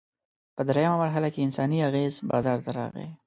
په درېیمه مرحله کې انساني اغېز بازار ته راغی.